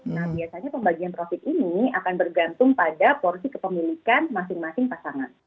nah biasanya pembagian profit ini akan bergantung pada porsi kepemilikan masing masing pasangan